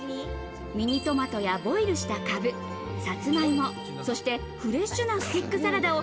ミニトマトやボイルしたカブ、サツマイモ、そしてフレッシュなスティックサラダを。